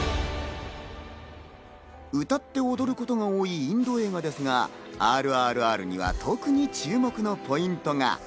歌って踊ることが多いインド映画ですが、『ＲＲＲ』には特に注目のポイントが！